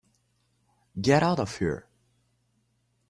Get out of here.